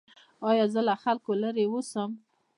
ایا زه له خلکو لرې اوسم؟